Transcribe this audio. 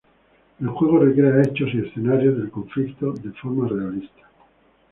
El juego recrea hechos y escenarios del conflicto de forma realista.